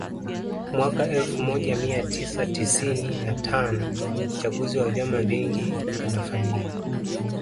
Mwaka elfu moja mia tisa tisini na tano Uchaguzi wa vyama vingi unafanyika